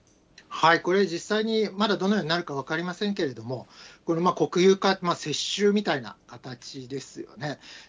これは実際に、まだ、どのようになるか分かりませんけれども、国有化、接収みたいな形ですよね。